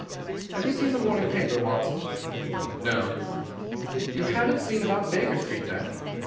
"Have you seen the morning paper, Watson?" "No." "You haven't seen about Baker Street, then?"